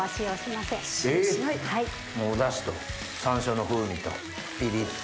もうおダシと山椒の風味とピリっと。